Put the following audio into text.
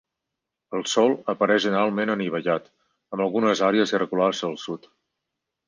El sòl apareix generalment anivellat, amb algunes àrees irregulars al sud.